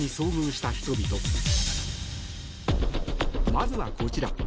まずはこちら。